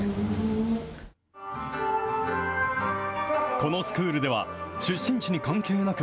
このスクールでは、出身地に関係なく、